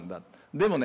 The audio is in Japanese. でもね